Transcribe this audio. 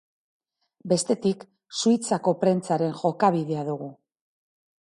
Bestetik, Suitzako prentsaren jokabidea dugu.